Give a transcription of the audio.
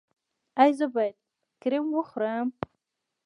ایا زه باید کرم وخورم؟